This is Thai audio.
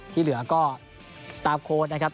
ที่เหลือก็สตาร์ฟโค้ดนะครับ